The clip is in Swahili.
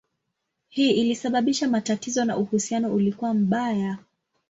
Hii ilisababisha matatizo na uhusiano ulikuwa mbaya.